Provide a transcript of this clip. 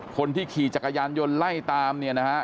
คนที่ขี่จักรยานยนต์ไล่ตามเนี่ยนะฮะ